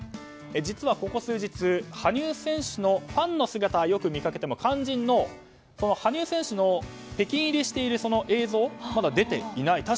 実は、ここ数日羽生選手のファンの姿はよく見かけても肝心の羽生選手が北京入りしている映像はまだ出ていない。